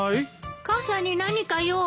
母さんに何か用？